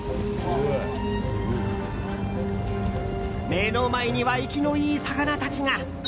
目の前には生きのいい魚たちが。